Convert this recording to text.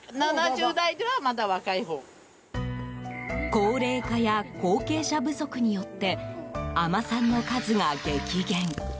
高齢化や後継者不足によって海女さんの数が激減。